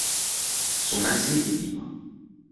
Son accès est libre.